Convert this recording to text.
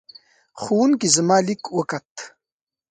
ښوونکې زما لیک وکوت.